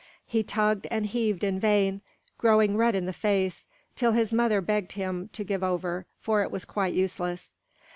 He tugged and heaved in vain, growing red in the face, till his mother begged him to give over, for it was quite useless.